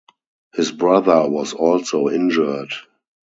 His brother was also injured.